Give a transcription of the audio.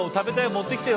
持ってきて。